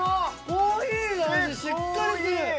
コーヒーの味しっかりする！